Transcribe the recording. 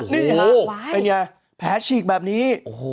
นี่ฮะไอ้เนี่ยแผลฉีกแบบนี้